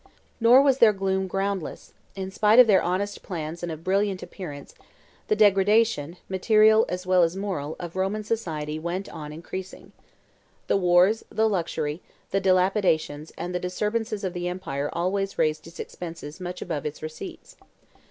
Nor was their gloom groundless: in spite of their honest plans and of brilliant appearances, the degradation, material as well as moral, of Roman society went on increasing. The wars, the luxury, the dilapidations, and the disturbances of the empire always raised its expenses much above its receipts.